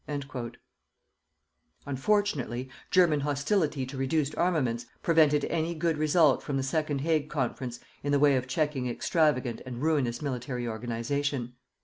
_" Unfortunately, German hostility to reduced armaments prevented any good result from the second Hague Conference in the way of checking extravagant and ruinous military organization.